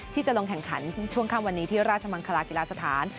ที่จะลงแข่งขันช่วงค่ำวันนี้ที่ราชมังคลากีฬาสถาน